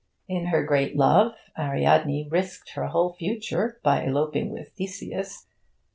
In her great love, Ariadne risked her whole future by eloping with Theseus.